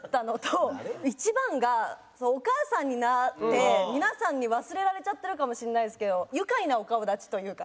一番がお母さんになって皆さんに忘れられちゃってるかもしれないですけど愉快なお顔立ちというか。